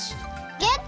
ゲット！